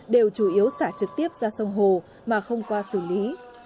đều chủ yếu xả trực tiếp ra sông hồ mà không qua xử lý